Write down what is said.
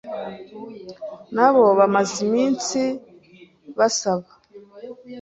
na bo bamaze iminsi basaba